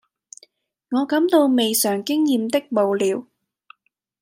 我感到未嘗經驗的無聊，